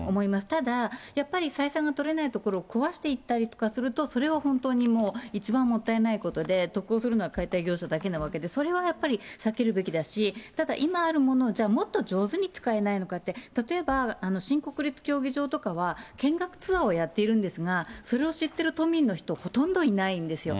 ただ、やっぱり採算の取れないところを壊していったりとかすると、それを本当にもう一番もったいないことで、得をするのは解体業者だけなわけで、それはやっぱり避けるべきだし、ただ、今あるものをもっと上手に使えないのかって、例えば新国立競技場とかは、見学ツアーをやっているんですが、それを知ってる都民の人、ほとんどいないんですよ。